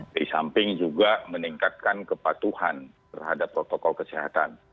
di samping juga meningkatkan kepatuhan terhadap protokol kesehatan